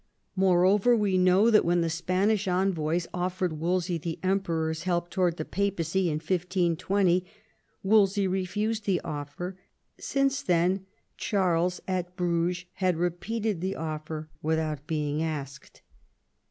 Moreover, we know that when the Spanish envoys offered Wolsey the Em peror's help towards the Papacy in 1620, Wolsey refused the offer ; since then Charles at Bruges had repeated the offer without being asked.